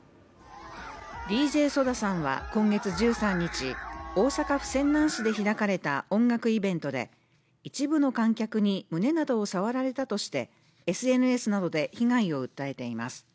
ＤＪＳＯＤＡさんは今月１３日大阪府泉南市で開かれた音楽イベントで一部の観客に胸などを触られたとしてＳＮＳなどで被害を訴えています